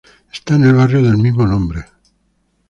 Está en el barrio del mismo nombre.